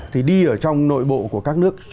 thì đi ở trong nội bộ của các nước